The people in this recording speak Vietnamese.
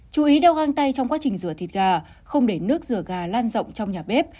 chú ý đeo găng tay trong quá trình rửa thịt gà không để nước rửa gà lan rộng trong nhà bếp